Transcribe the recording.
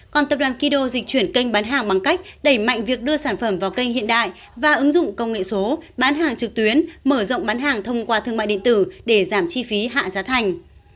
còn tập đoàn kido dịch chuyển kênh bán hàng bằng cách đẩy mạnh việc đưa sản phẩm vào kênh hiện đại và ứng dụng công nghệ số bán hàng trực tuyến mở rộng bán hàng thông qua thương mại điện tử để giảm chi phí hạ giá thành